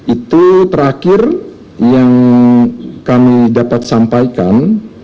itu terakhir yang kami dapat sampaikan